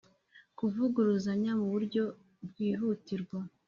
kuvuguruzanya mu buryo bwihutirwa